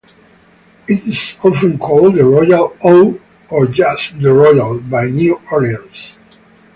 It is often called the "Royal O" or just "the Royal" by New Orleanians.